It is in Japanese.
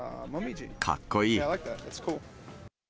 かっこいい。